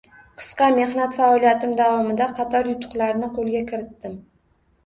Qisqa mehnat faoliyatim davomida qator yutuqlarni qoʻlga kiritdim.